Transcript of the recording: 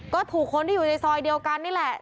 ก็ถูกคนที่อยู่ในซอยเดียวกันนี่แหละ